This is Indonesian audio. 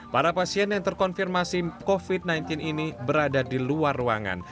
para pasien yang terkonfirmasi covid sembilan belas ini berada di luar ruangan